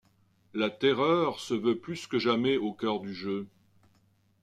La terreur se veut plus que jamais au cœur du jeu.